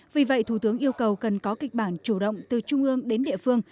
vì vậy thủ tướng yêu cầu cần có kịch bản chủ động từ trung ương đến địa phương